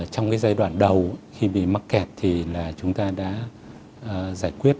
trong cái giai đoạn đầu khi bị mắc kẹt thì là chúng ta đã giải quyết